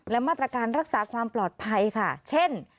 และมาตรการรักษาความปลอดภัยค่ะเช่น